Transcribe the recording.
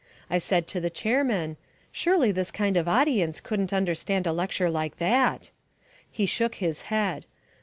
I said to the chairman, "Surely this kind of audience couldn't understand a lecture like that!" He shook his head.